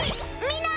みんな！